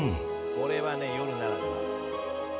これはね夜ならでは。